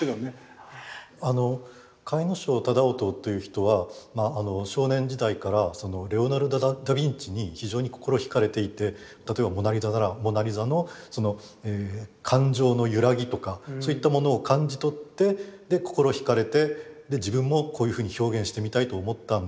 甲斐荘楠音という人は少年時代からレオナルド・ダ・ヴィンチに非常に心ひかれていて例えばモナリザならモナリザのその感情のゆらぎとかそういったものを感じ取ってで心ひかれて自分もこういうふうに表現してみたいと思ったんだと思うんですね。